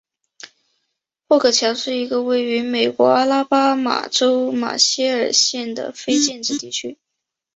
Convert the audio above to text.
霍格乔是一个位于美国阿拉巴马州马歇尔县的非建制地区。